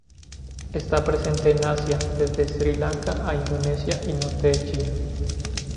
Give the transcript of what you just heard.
Está presente en Asia, Desde Sri Lanka a Indonesia y norte de China.